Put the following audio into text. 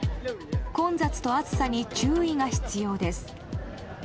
混雑と暑さに注意が必要です。